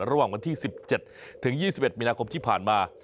ระหว่างวันที่๑๗ถึง๒๑มีนาคมที่ผ่านมา